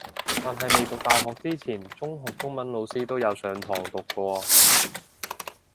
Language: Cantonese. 但係未讀大學之前中學中文老師都有上堂讀過